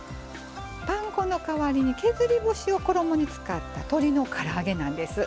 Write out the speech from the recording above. パン粉の代わりに削り節を使った鶏のから揚げなんです。